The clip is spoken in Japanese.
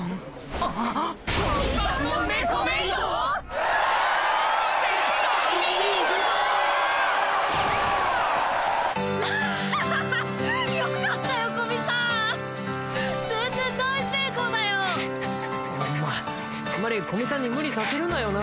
あんまり古見さんに無理させるなよな。